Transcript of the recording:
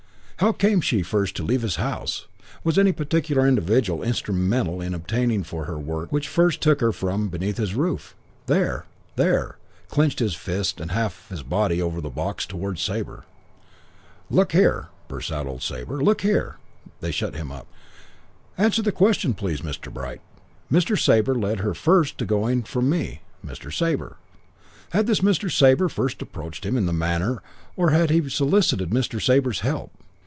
"How came she first to leave his house? Was any particular individual instrumental in obtaining for her work which first took her from beneath his roof? 'There! There!' Clenched fist and half his body over the box towards Sabre. "'Look here!' bursts out old Sabre. 'Look here !' "They shut him up. "'Answer the question, please, Mr. Bright.' 'Mr. Sabre led to her first going from me. Mr. Sabre!' "Had this Mr. Sabre first approached him in the matter or had he solicited Mr. Sabre's help?